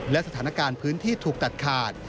และสถานการณ์พื้นที่ถูกตัดขาด